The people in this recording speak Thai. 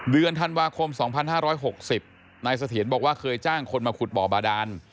เดือนธันวาคม๒๕๖๐นายเสถียรบอกว่าเคยจ้างคนมาขุดบ่อบาดาน